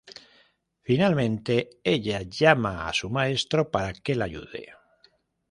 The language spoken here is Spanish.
Finalmente ella llama a su maestro para que la ayude.